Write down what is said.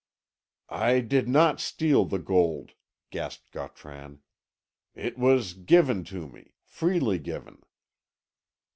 "I did not steal the gold," gasped Gautran. "It was given to me freely given."